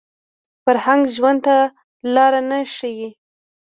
فرهنګ ژوند ته لاره نه ښيي